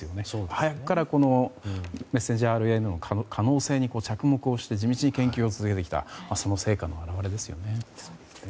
早くからメッセンジャーＲＮＡの可能性に着目をして地道に研究をしてきたその成果の表れですよね。